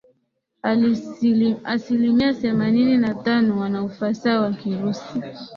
asilimia themanini na tano wana ufasaha wa Kirusi